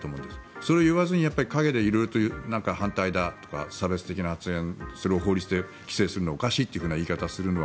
それを言わずに陰で色々と反対だとか差別的なことをいうのを法律で規制するのはおかしいという言い方をするのは